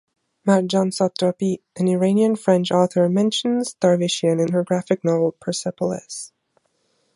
Marjane Satrapi, an Iranian-French author, mentions Darvishian in her graphic novel "Persepolis".